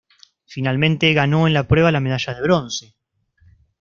Finalmente ganó en la prueba la medalla de bronce.